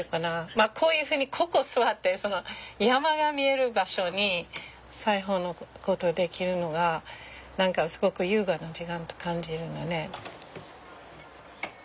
まあこういうふうにここ座って山が見える場所に裁縫のことできるのが何かすごく優雅な時間と感じるのね。